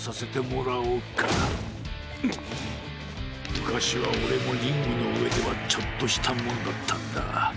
むかしはオレもリングのうえではちょっとしたもんだったんだ。